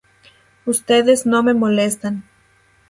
Ustedes no me molestan".